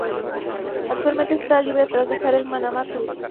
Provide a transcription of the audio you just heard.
Actualmente está libre tras dejar el Manama Club.